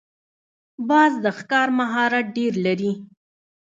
باز د ښکار مهارت ډېر لري